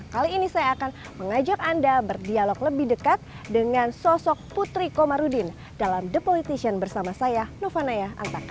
kali ini saya akan mengajak anda berdialog lebih dekat dengan sosok putri komarudin dalam the politician bersama saya novanaya antaka